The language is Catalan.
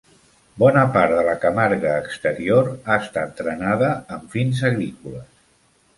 Bona part de la Camarga exterior ha estat drenada amb fins agrícoles.